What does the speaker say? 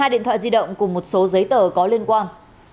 hai điện thoại di động cùng một số giấy tờ có liên quan